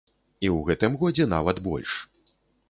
І ў гэтым годзе нават больш.